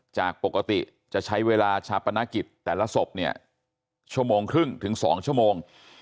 จากปกติจะใช้เวลาชาปนกิจแต่ละศพเนี่ยชั่วโมงครึ่งถึง๒ชั่วโมง